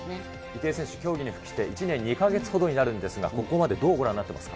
池江選手、競技に復帰して１年２か月ほどになるんですが、ここまでどうご覧になってますか？